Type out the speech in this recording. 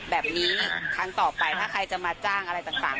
แบบนี้ครั้งต่อไปถ้าใครจะมาจ้างอะไรต่าง